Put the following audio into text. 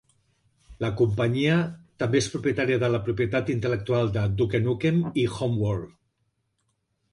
La companyia també és propietària de la propietat intel·lectual de "Duke Nukem" i "Homeworld".